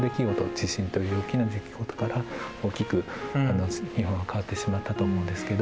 地震という大きな出来事から大きく日本は変わってしまったと思うんですけど。